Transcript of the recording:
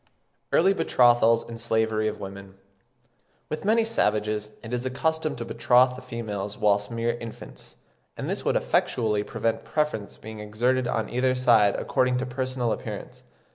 EARLY BETROTHALS AND SLAVERY OF WOMEN. With many savages it is the custom to betroth the females whilst mere infants; and this would effectually prevent preference being exerted on either side according to personal appearance.